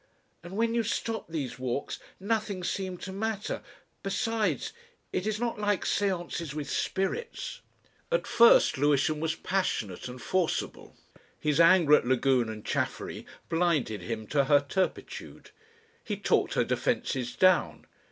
"And when you stopped these walks nothing seemed to matter. Besides it is not like séances with spirits ..." At first Lewisham was passionate and forcible. His anger at Lagune and Chaffery blinded him to her turpitude. He talked her defences down.